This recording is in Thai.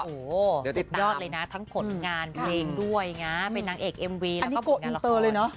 สุดยอดเลยนะทั้งผลงานเพลงด้วยนะเป็นนางเอกเอ็มวีแล้วก็บุญนาราคา